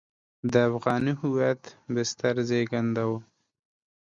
د افغاني هویت بستر زېږنده وو.